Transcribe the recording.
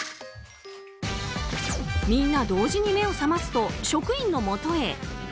みんな同時に目を覚ますと職員のもとへ。